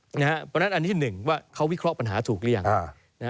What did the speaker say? เพราะฉะนั้นอันที่๑ว่าเขาวิเคราะห์ปัญหาถูกหรือยัง